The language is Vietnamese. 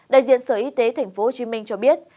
đại diện sở y tế tp hcm cho biết